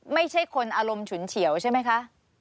ไม่ใช่คนอารมณ์ฉุนเฉียวใช่ไหมคะ